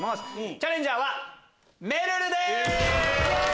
チャレンジャーはめるるです。